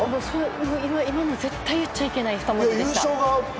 今の絶対言っちゃいけない２文字でした。